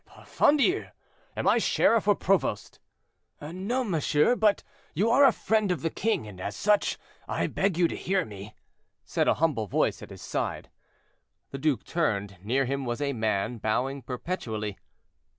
"Parfandious! am I sheriff or provost?" "No, monsieur; but you are a friend of the king, and, as such, I beg you to hear me," said a humble voice at his side. The duke turned. Near him was a man, bowing perpetually.